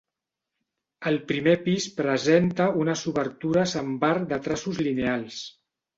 El primer pis presenta unes obertures amb arc de traços lineals.